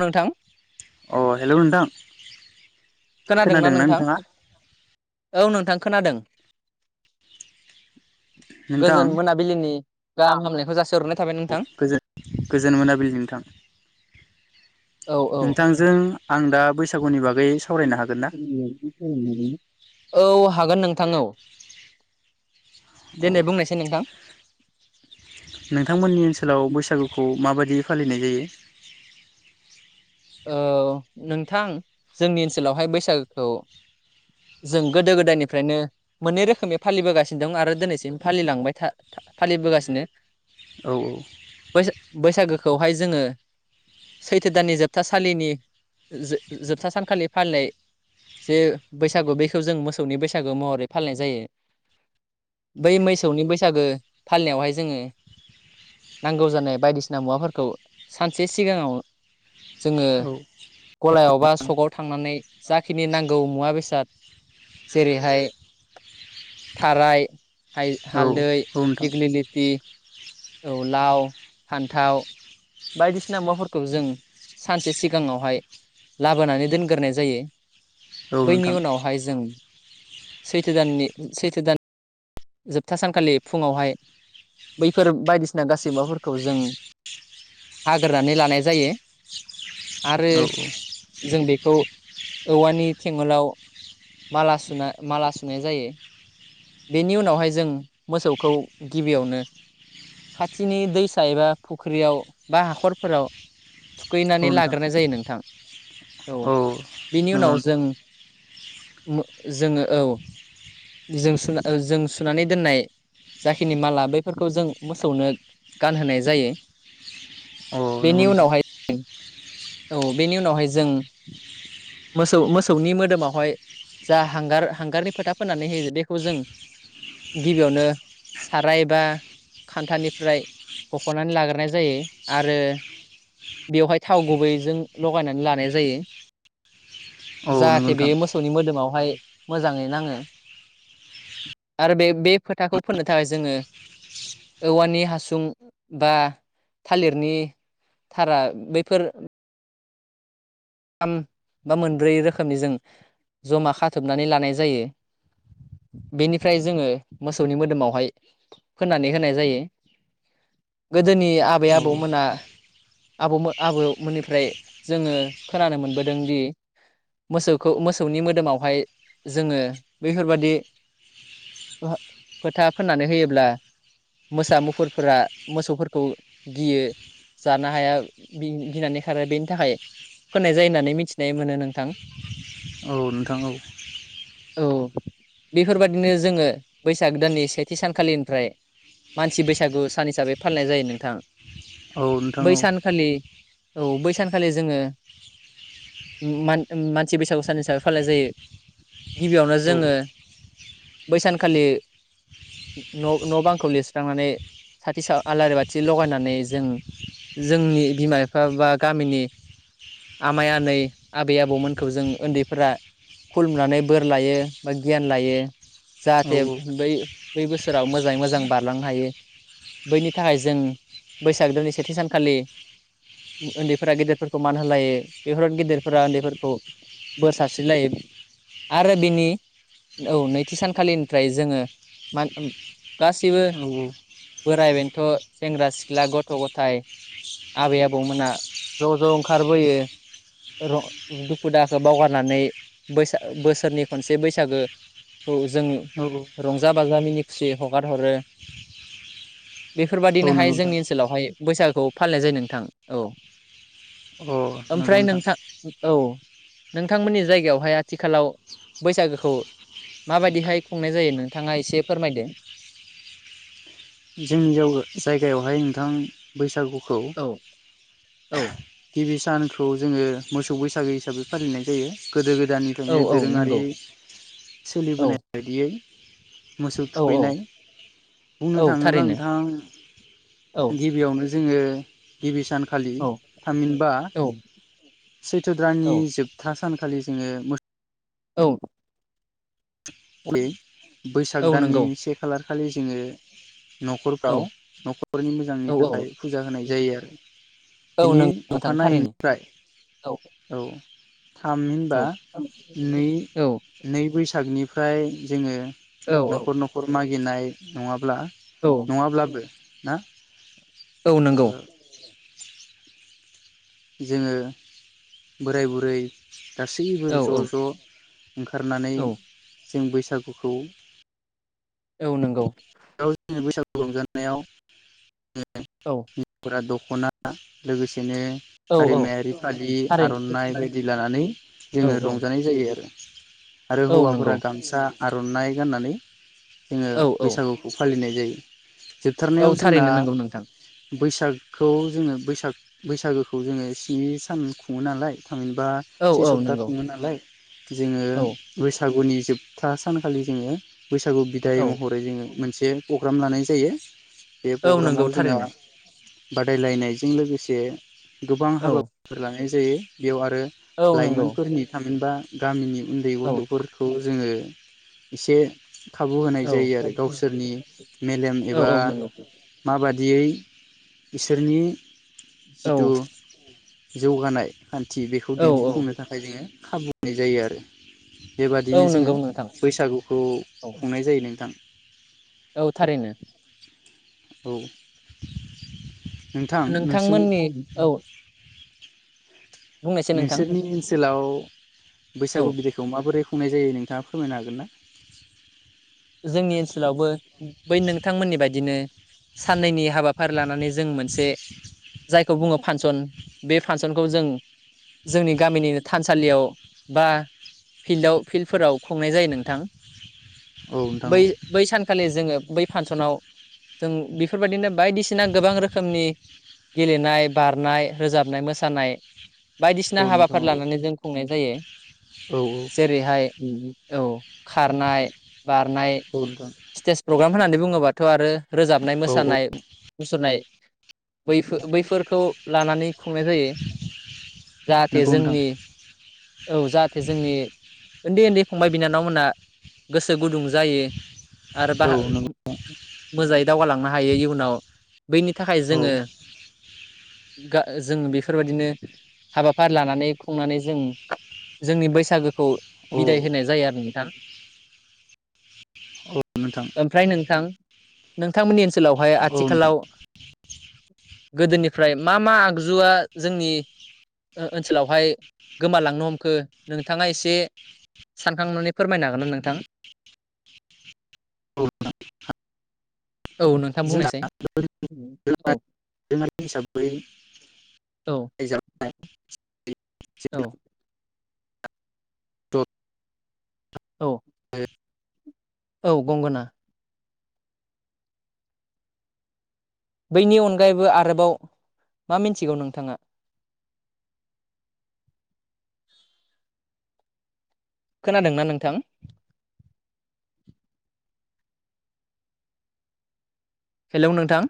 नोंथां अ हेलौ नोंथां खोनादोंना नोंथां औ नोंथां खोनादों नोंथां गोजोन मोनाबिलिनि गाहाम हामनायखौ जासि हरनाय औ गोजोन गोजोन मोनाबिलि नोंथां औ औ नोंथांजों आं दा बैसागुनि बागै सावरायनो हागोन ना औ हागोन नोंथां औ औ दिनै बुंनायसाय नोंथां नोंथांमोननि ओनसोलाव बैसागुखौ माबायदि फालिनाय जायो औ नोंथां जोंनि ओनसोलावहाय बैसागोखौ जों गोदो गोदायनिफ्रायनो मोननै रोखोमै फालिबोगासिनो दं आरो दिनैसिम फालिलांबाय था फालिबोगासिनो। औ बैसा-बैसागोखौहाय जोङो सैथो दाननि जोब था सालिनि जोब-जोबथा सानखालि फालिनाय जे बैसागु बेखौ जों मोसौनि बैसागु महरै फालिनाय जायो। बै मैसौनि बैसागो फालिनायावहाय जोङो नांगौ जानाय बायदिसिना मुवाफोरखौ सानसे सिगाङाव जोङो औ गलायाव बा सकाव थांनानै जाखिनि नांगौ मुवा बेसाद जेरैहाय थाराय औ हाय-हालदै औ नोंथां दिग्लिलिथि औ लाव फान्थाव बायदिसिना मुवाफोरखौ जों सानसे सिगाङावहाय लाबोनानै दोनग्रोनाय जायो। औ बैनि नोंथां उनावहाय जों सैथो दाननि सैथो दान जोबथा सानखालि फुङावहाय बैफोर बायदिसिना गासै बाफोरखौ जों हाग्रोनानै लानाय जायो। आरो औ जों बेखौ औवानि थेंगलाव माला सुना माला सुनाय जायो। बेनि उनावहाय जों मोसौखौ गिबियावनो खाथिनि दैसा एबा फुख्रियाव बा हाखरफोराव थुखैनानै औ नोंथां लाग्रोनाय जायो नोंथां औ बेनि नंगौ उनाव जों मो जोङो औ जों सुना जों सुनानै दोननाय जाखिनि माला बैफोरखौ जों मोसौनो गानहोनाय जायो। अ नोंगौ बेनि नोंथां। उनावहाय औ बेनि उनावहाय जों मोसौ मोसौनि मोदोमावहाय जा हांगार हांगारनि फोथा फोननानै होयो बेेखौ जों गिबियावनो साराय बा खान्थानिफ्राय बख'नानै लाग्रोनाय जायो आरो बेवहाय थाव गुबै जों लगायनानै लानाय जायो औ नंगौ जाहाथे नोंथां बेयो मोसौनि मोदोमावहाय मोजाङै नाङो। आरो बे बे फोथाखौ फोननो थाखाय जोङो औवानि हासुं बा थालिरनि थारा बैफोर थाम बा मोनब्रै रोखोमनि जों जमा खाथबनानै लानाय जायो। बेनिफ्राय जोङो मोसौनि मोदोमावहाय फोननानै होनाय जायो। गोदोनि आबै औ आबौमोना आबौमो-आबौमोननिफ्राय जोङो खोनानो मोनबोदों दि मोसौखौ मोसौनि मोदोमावहाय जोङो बैफोरबादि फोथा फोननानै होयोब्ला मोसा मुफुरफोरा मोसौफोरखौ गियो। जानो हाया बि गिनानै खारो बेनि थाखाय फोननाय जायो होननानै मिथिनाय मोनो नोंथां। औ नोंथां औ औ बेफोरबादिनो जोङो बैसाग दाननि सेथि सानखालिनिफ्राय मानसि बैसागु सान हिसाबै फालिनाय जायो नोंथां। औ नोंथां बै औ सानखालि औ बै सानखालि जोङो उ मान-मानसि बैसागु सान हिसाबै फालिनाय जायो गिबियावनो औ जोङो बै सानखालि न' न' बांखौ लिरस्रांनानै साथि सा-आलारि बाथि लगायनानै जों जोंनि बिमा बिफा बा गामिनि आमाइ आनै आबै आबौमोनखौ जों ओन्दैफोरा खुलुमनानै बोर लायो बा गियान लायो। औ जाहाथे बै बै बोसोराव मोजाङै मोजां बारलांनो हायो। बैनि थाखाय जों बैसागो दनि सेथि सानखालि उन्दैफोरा गेदेरफोरखौ मान होलायो बेफोर गेदिरफोरा उन्दैफोरखौ बोर सारस्रिलायो आरो बिनि औ नैथि सानखालिनिफ्राय जोङो मा गासिबो औ बोराय बेनोथ' सेंग्रा सिख्ला गथ' गथ थाइ आबै आबौमोनहा ज' ज' ओंखारबोयो। रं दुखु दाहाखौ बावगारनानै बैसा बोसोरनि खनसे बैसागो खौ जोङो औ रंजा बाजा मिनि खुसियै हगार हरो। औ नंगौ बेफोरबादिनोहाय नोंथां जोंनि ओनसोलावहाय बैसागोखौ फालिनाय जायो नोंथां औ। अ नंगौ ओमफ्राय नोंथां औ नोंथांमोननि जायगायावहाय आथिखालाव बैसागोखौ माबादिहाय खुंनाय जायो नोंथाङा एसे फोरमायदो? जोंनि जावो जायगायावहाय नोंथां बैसागु खौ औ औ गिबि सानखौ जोङो मोसौ बैसागो हिसाबै फालिनाय जायो। गोदो औ गोदायनिफ्रायनो औ दोरोङारि नंगौ औ सोलिबोनाय बायदियै मोसौ औ औ थुखैनाय बुंनो औ थाङोब्ला थारैनो नोंथां औ गिबियाव नो जोङो गिबि सान खालि औ थामहिनबा औ सैथ्रा दाननि औ जोबथा सानखौ खालि जोङो औ। बे बैसाग औ दाननि नंगौ से खालार खालि जोङो औ न'खरफ्राव न'खरनि मोजांनि औ औ थाखाय फुजा होनाय जायो आरो। औ बिनि नंगौ नोंथां थारैनो अखानायैनिफ्राय औ औ। थामहिनबा औ औ नै औ नै बैसागनिफ्राय जोङो औ न'खर न'खर मागिनाय नङाब्ला औ नङाब्लाबो ना औ ओ नंगौ। [inaudible] जोङो बोराय बुरै गासैबो औ औ ज' ज' ओंखारनानै औ जों बैसागुखौ औ नंगौ ज बैसागु रंजानायाव औ दख दख'ना लोगोसेनो औ औ हारिमायारि फालि थारैनो आर'नाइ बायदि लानानै औ जोङो औ रंजानाय जायो आरो। आरो औ नंगौ हौवाफोरा गामसा आर'नाइ गाननानै जोङो औ औ बैसागुखौ फालिनाय जायो जोबथारनायाव औ जोंना थारैनो नंगौ नोंथां बैसागखौ जोङो बैसाग बैसागोखौ जोङो स्नि सान खुङो नालाय थामहिनबा औ से औ सप्ता नंगौ खुङो नालाय जोङो औ बैसागुनि जोबथा सानखालि जोङो बैसागु बिदाय औ महरै जोङो मोन से प्रग्राम लानाय जायो बे औ नंगौ प्रग्रामाव जोंहा थारैनो बादायलायनायजों लोगोसे गोबां औ हाबाफोर लानाय जायो। बेयाव आ रो औ नंगौ लाइमोनफोरनि थामहिनबा गामिनि उन्दै औ गथ'फोरखौ जोङो इसे खाबु होनाय औ जायो आरो गावसोरनि मेलेम एबा औ नंगौ माबा दियै इसोरनि औ जिथु जौगानाय खान्थि बेखौ औ दिन्थिफुंनो थाखाय जोङो खाबु होनाय जायो आरो। बे औ बादिनो जोङो नंगौ नोंथां बैसागुखौ औ खुंनाय जायो नोंथां। औ थारैनो। औ नोंथां नोंसिनि नोंथांमोननि औ बुंनायसै नोंथां नोंसोरनि ओनसोलाव औ बैसागु बिदैखौ माबोरै खुंनाय जायो नोंथाङा फोरमायनो हागोन ना? जोंनि ओनसोलावबो बै नोंथांमोननि बायदिनो साननैनि हाबाफारि लानानै जों मोनसे जायखौ बुङो फांसन बे फांसनखौ जों जोंनि गामिनिनो थानसालियाव बा फिल्डआव फिल्डफोराव खुंनाय जायो नोंथां हागोन ना औ बै बै सानखालि जोङो बै फानसनाव जों बेफोरबायदिनो बायदिसिना गोबां रोखोमनि गेलेनाय, बारनाय, रोजाबनाय, मोसानाय, नोंथां औ बायदिसिना हाबाफारि लानानै जों खुंनाय जायो। औ नोंथां औ जेरैहाय औ खारनाय, बारनाय, स्टेज प्रग्राम होननानै बुङोबाथ' आरो रोजाबनाय, औ नोंथां औ औ मोसानाय मुसुरनाय बैफो-बैफोरखौ लानानै खुंनाय जायो। जाहाथे नंगौ नोंथां जोंनि औ जाहाथे जोंनि ओन्दै ओन्दै फंबाय बिनानावमोनहा गोसो गुदुं जायो आरो औ बाह नंगौ मोजाङै दावगालांनो हायो इयुनाव बैनि थाखाय औ जोङो गा जों बेफोरबायदिनो हाबाफारि लानानै खुंनानै जों जोंनि बैसागोखौ औ बिदाय होनाय जायो आरो नोंथां औ नोंथां ओमफ्राय नोंथां, नोंथांमोननि ओनसोलावहाय औ नोंथां औ आथिखालाव गोदोनिफ्राय मा मा आगजुआ जोंनि ओ-ओनसोलावहाय गोमालांनो हमखो नोंथाङा एसे सानखांनानै फोरमायनो हागोन्ना नोंथां? औ नोंथां जोंना बुंनायसाय औ [unintelligible] हिसाबै औ [unintelligible] औ [unintelligible] औ [unintelligible] औ गंगोना बैनि अनगायैबो आरोबाव मा मिन्थिगौ नोंथाङा? [inaudible] खोनादोंना नोंथां? हेलौ नोंथां